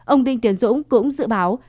ông đinh tiến dũng cũng dự báo